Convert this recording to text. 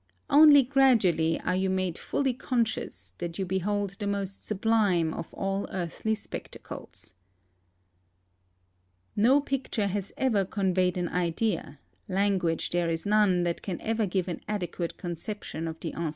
Only gradually are you made fully conscious that you behold the most sublime of all earthly spectacles. THE FORESTS AND DESERTS OF AlUZOXA 225 No picture lias ever conveyed an idea, language there is none that can ever give an adeiiuate conception of the en.